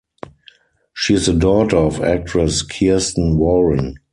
She is the daughter of actress Kiersten Warren.